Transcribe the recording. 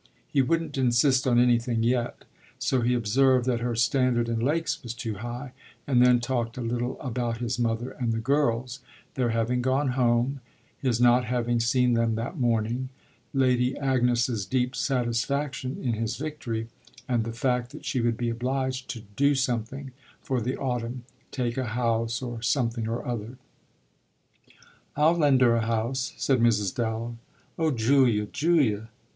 He wouldn't insist on anything yet: so he observed that her standard in lakes was too high, and then talked a little about his mother and the girls, their having gone home, his not having seen them that morning, Lady Agnes's deep satisfaction in his victory, and the fact that she would be obliged to "do something" for the autumn take a house or something or other. "I'll lend her a house," said Mrs. Dallow. "Oh Julia, Julia!"